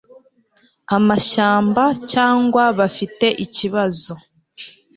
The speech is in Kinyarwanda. amashamba cyangwa bafite ikibazo